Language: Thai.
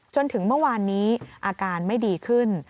จนถึงเมื่อวานนี้อาการไม่ดีขึ้น